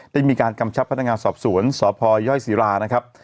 ได้มีการกำชับพนักงานสอบสวนสพยศิรานะครับ